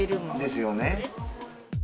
ですよね。